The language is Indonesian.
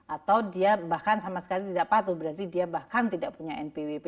atau dia bahkan sama sekali tidak patuh berarti dia bahkan tidak punya npwp